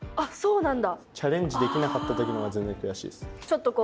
あっそうなんだ。